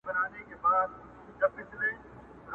موږ ته یې کیسه په زمزمو کي رسېدلې ده؛